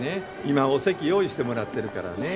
今お席用意してもらってるからね。